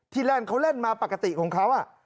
แล่นเขาเล่นมาปกติของเขา